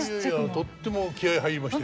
とっても気合い入りましたよ。